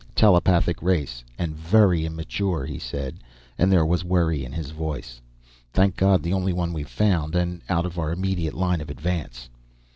"Telepathic race, and very immature," he said, and there was worry in his voice. "Thank God, the only one we've found, and out of our immediate line of advance."